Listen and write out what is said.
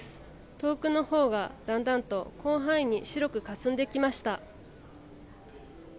遠くのほうが、だんだんと広範囲に白くかすんできました。